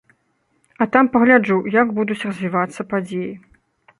А там пагляджу, як будуць развівацца падзеі.